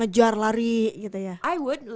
ngejar lari gitu ya i wood